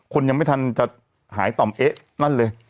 ยังไม่ทันจะหายต่อมเอ๊ะนั่นเลย